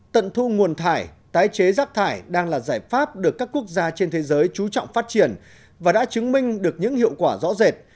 tận thu nguồn thải tái chế rác thải đang là giải pháp được các quốc gia trên thế giới trú trọng phát triển và đã chứng minh được những hiệu quả rõ rệt